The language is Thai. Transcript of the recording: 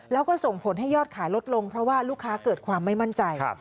แล้วก็ส่งผลให้ยอดขายลดลงเพราะว่าลูกค้าเกิดความไม่มั่นใจ